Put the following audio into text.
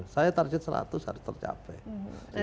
saya target seratus harus tercapai